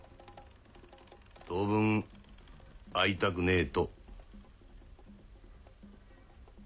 当分会いたくねえと。